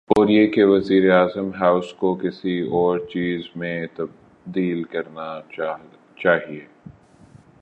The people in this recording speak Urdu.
اوریہ کہ وزیراعظم ہاؤس کو کسی اورچیز میں تبدیل کرنا چاہیے۔